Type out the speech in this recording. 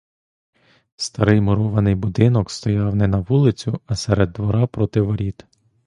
Старий мурований будинок стояв не на вулицю, а серед двора проти воріт.